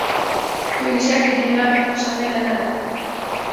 په انشأ کې د املاء برخه شامله نه ده.